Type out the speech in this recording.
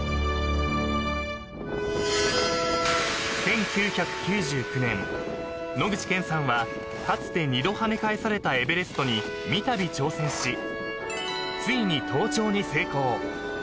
［１９９９年野口健さんはかつて２度はね返されたエベレストに三度挑戦しついに登頂に成功］